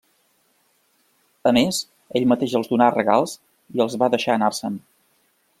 A més, ell mateix els donà regals i els va deixar anar-se'n.